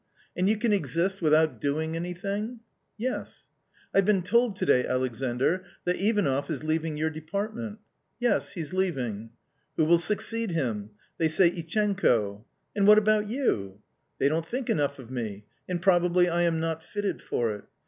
" And you can exist without doing anything ?"" Yes." " I've been told to day, Alexandr, that Ivanoff is leaving your department !"" Yes, he's leaving." " Who will succeed him ?"" They say Ichenko." " And what about you ?"" They don't think enough of me. And probably I am not fitted for it."